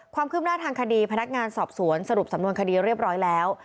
ความคืบหน้าทางคดีพนักงานสอบสวนสรุปสำนวนคดีเรียบร้อยแล้ว